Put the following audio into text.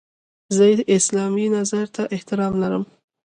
زه اسلامي نظرې ته احترام لرم.